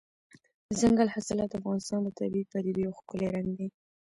دځنګل حاصلات د افغانستان د طبیعي پدیدو یو ښکلی رنګ دی.